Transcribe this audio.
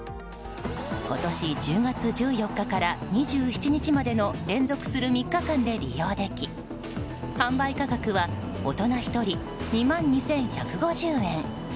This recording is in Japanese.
今年１０月１４日から２７日までの連続する３日間で利用でき販売価格は大人１人２万２１５０円。